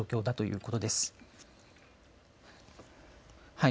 はい。